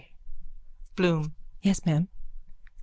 BLOOM: Yes, ma'am?